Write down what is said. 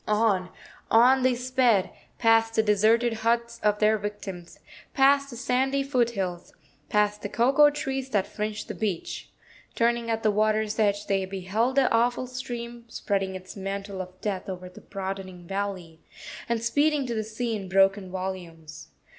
On, on they sped, past the deserted huts of their victims, past the sandy foothills, past the cocoa trees that fringed the beach. Turning at the water's edge, they beheld the awful stream spreading its mantle of death over the broadening valley, and speeding to the sea in broken volumes.